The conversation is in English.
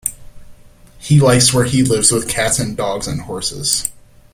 He likes where he lives with cats and dogs and horses.